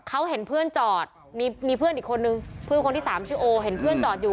เขาเห็นเพื่อนจอดมีเพื่อนอีกคนนึงเพื่อนคนที่สามชื่อโอเห็นเพื่อนจอดอยู่